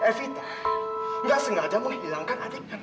evita gak sengaja menghilangkan adik tante